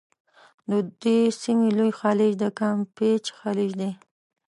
د دې سیمي بل لوی خلیج د کامپېچ خلیج دی.